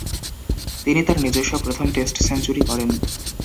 তিনি তার নিজস্ব প্রথম টেস্ট সেঞ্চুরি করেন।